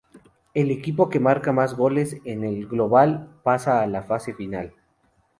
El equipo que marca más goles en el global pasa a la fase final.